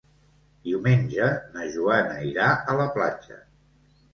Diumenge na Joana irà a la platja.